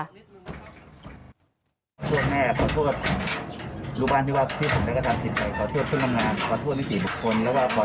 โทษแม่ขอโทษรุปอันที่ว่าที่ผมได้กระทำผิดใคร